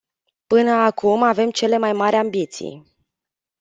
Până acum avem cele mai mari ambiții.